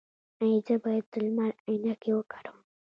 ایا زه باید د لمر عینکې وکاروم؟